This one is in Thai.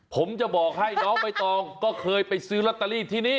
ผมจะบอกให้น้องใบตองก็เคยไปซื้อลอตเตอรี่ที่นี่